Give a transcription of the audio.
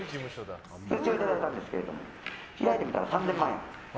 通帳をいただいたんですけど開いてみたら３０００万円。